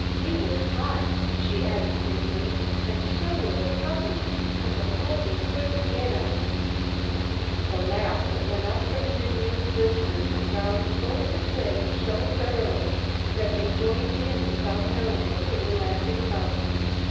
We wath hot," she added, gravely, "and tho wath the puppieth, but the lightnin' couldn't get uth." The laugh that went up from the amused listeners aroused both the twins so thoroughly that they joined in without knowing what they were laughing about.